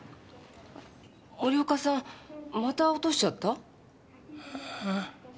森岡さんまた落としちゃった？え？